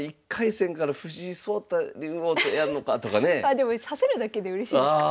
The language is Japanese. あでも指せるだけでうれしいですからね。